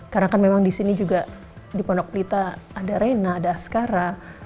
karena kan memang di sini juga di pondok pelita ada rena ada askara